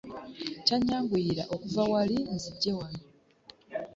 Kyannyanguyira okuva wali nzije wano.